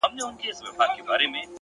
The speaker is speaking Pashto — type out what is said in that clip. عاقل انسان له تېروتنې نه ځان نه ماتوي!